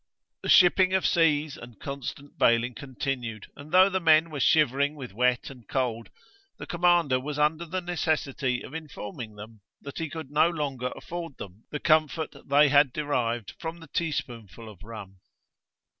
The shipping of seas and constant baling continued; and though the men were shivering with wet and cold, the commander was under the necessity of informing them, that he could no longer afford them the comfort they had derived from the teaspoonful of rum.